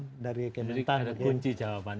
jadi kita ada kunci jawabannya